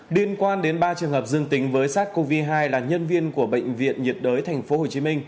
liên quan đến ba trường hợp dương tính với sars cov hai là nhân viên của bệnh viện nhiệt đới tp hcm